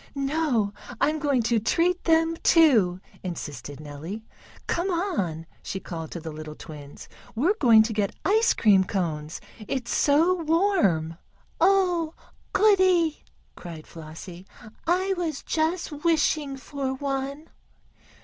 "No, I'm going to treat them, too," insisted Nellie. "Come on!" she called to the little twins, "we're going to get ice cream cones, it's so warm." "Oh, goodie!" cried Flossie. "I was just wishing for one."